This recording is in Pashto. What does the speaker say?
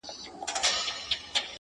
د کلي سپی یې؛ د کلي خان دی؛